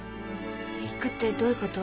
行くってどういうこと？